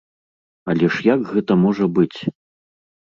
Але ж як гэта можа быць?